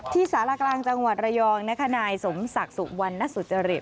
สารกลางจังหวัดระยองนะคะนายสมศักดิ์สุวรรณสุจริต